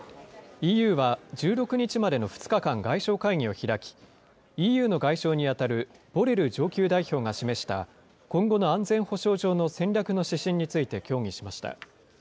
ＥＵは１６日までの２日間、外相会議を開き、ＥＵの外相に当たるボレル上級代表が示した、今後の安全保障上の戦略の指針について協議しました。